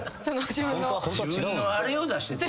「自分のあれを出して」って？